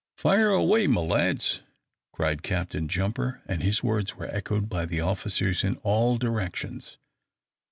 "Fire away, my lads!" cried Captain Jumper; and his words were echoed by the officers in all directions.